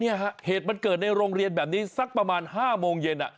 เนี่ยฮะเหตุมันเกิดในโรงเรียนแบบนี้สักประมาณห้าโมงเย็นอ่ะ